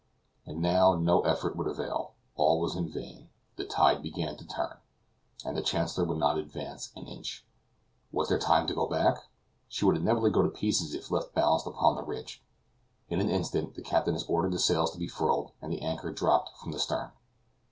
And now no effort would avail; all was in vain; the tide began to turn: and the Chancellor would not advance an inch. Was there time to go back? She would inevitably go to pieces if left balanced upon the ridge. In an instant the captain has ordered the sails to be furled, and the anchor dropped from the stern.